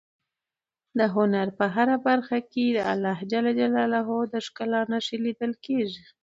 د هنر په هره برخه کې د خدای ج د ښکلا نښې لیدل کېږي.